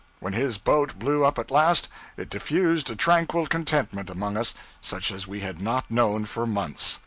When his boat blew up at last, it diffused a tranquil contentment among us such as we had not known for months.